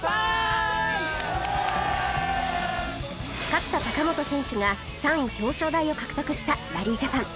勝田貴元選手が３位表彰台を獲得したラリージャパン